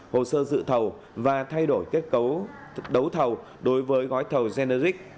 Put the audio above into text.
hồ sơ dự thầu và thay đổi kết cấu đấu thầu đối với gói thầu generic